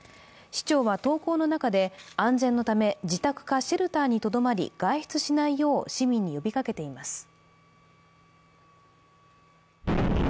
市長は投稿の中で、安全のため自宅かシェルターにとどまり、外出しないよう市民に呼びかけています。